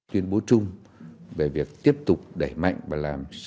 tuyên bố trung về việc tiếp tục đẩy mạnh và làm sâu sắc